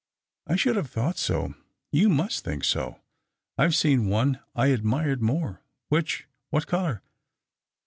'• I should have thought so." '' You must think so." " I have seen one I admired more." "Which? What colour?"